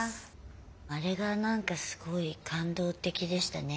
あれが何かすごい感動的でしたね。